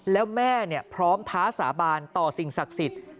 แล้วแม่พร้อมท้าสาบานต่อสิ่งศักดิ์สิทธิ์